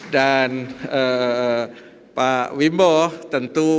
dan pak wimbo tentu